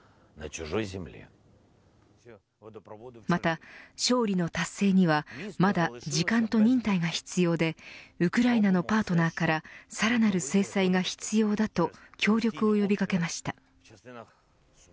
また勝利の達成にはまだ時間と忍耐が必要でウクライナのパートナーからさらなる制裁が必要だと協力を呼び掛けました。